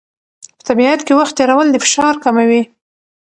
په طبیعت کې وخت تېرول د فشار کموي.